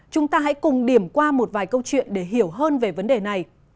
chúng ta hãy cùng điểm qua một vài câu chuyện để hiểu hơn về vấn đề này